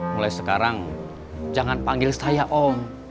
mulai sekarang jangan panggil saya om